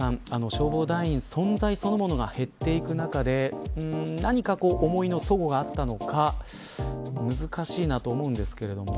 消防団員存在そのものが減っていく中で何か思いのそごがあったのか難しいなと思うんですけども。